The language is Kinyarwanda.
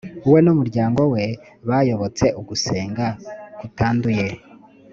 we n’umuryango we bayobotse ugusenga kutanduye